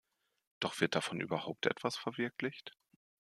Doch wird davon überhaupt etwas verwirklicht?